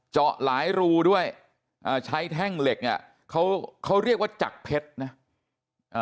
เจาะหลายรูด้วยอ่าใช้แท่งเหล็กเนี่ยเขาเขาเรียกว่าจักรเพชรนะอ่า